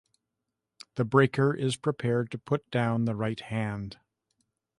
The breaker is prepared to put down the right hand.